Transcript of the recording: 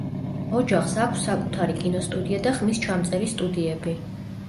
ოჯახს აქვს საკუთარი კინოსტუდია და ხმის ჩამწერი სტუდიები.